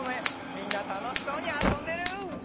みんなたのしそうにあそんでる！